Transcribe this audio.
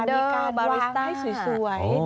มีการวางให้สวย